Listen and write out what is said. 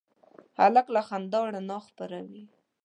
هلک له خندا رڼا خپروي.